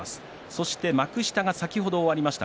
そして幕下が先ほどありました。